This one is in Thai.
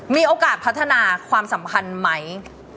มีโอกาสพัฒนาความสัมพันธ์ไหม